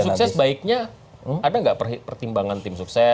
kalau tim sukses baiknya ada nggak pertimbangan tim sukses